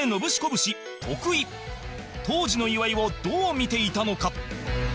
当時の岩井をどう見ていたのか？